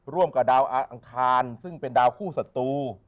ร่วมกับดาวอังคารซึ่งเป็นดาวคู่ศัตรู